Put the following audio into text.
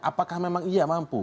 apakah memang ia mampu